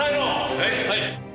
はい。